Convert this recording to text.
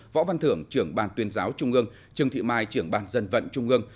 võ văn thưởng trưởng ban tuyên giáo trung ương trương thị mai trưởng ban dân vận trung ương